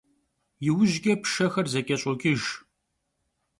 Yiujç'e pşşexer zeç'eş'oç'ıjj.